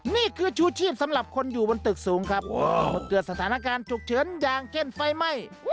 นี่คือชูชีพสำหรับคนอยู่บนตึกสูงครับเมื่อเกิดสถานการณ์ฉุกเฉินอย่างเช่นไฟไหม้